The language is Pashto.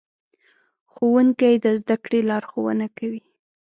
ښوونکي د زدهکړې لارښوونه کوي.